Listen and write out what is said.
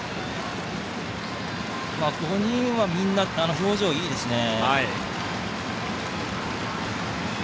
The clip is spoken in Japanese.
この辺はみんな表情がいいですね。